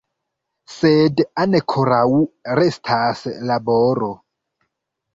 Sed ankoraŭ restas laboro.